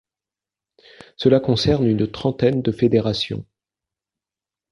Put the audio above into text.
Cela concerne une trentaine de fédérations.